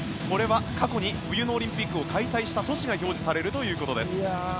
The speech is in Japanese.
これは過去に冬のオリンピックを開催した都市が表示されるということです。